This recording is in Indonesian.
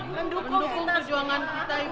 mendukung perjuangan kita